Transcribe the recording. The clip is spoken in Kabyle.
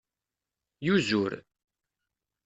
Yuzur.